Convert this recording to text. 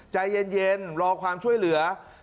ใจเย็นรอความช่วยเหลือ